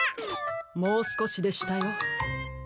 もうすこしでしたよ。